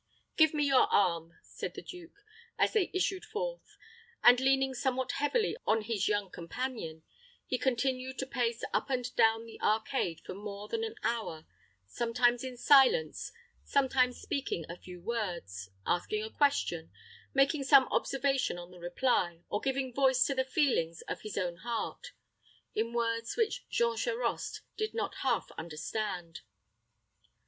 "Give me your arm," said the duke, as they issued forth; and, leaning somewhat heavily on his young companion, he continued to pace up and down the arcade for more than an hour, sometimes in silence sometimes speaking a few words asking a question making some observation on the reply or giving voice to the feelings of his own heart, in words which Jean Charost did not half understand.